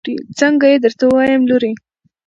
څنګه يې درته ووايم لورې.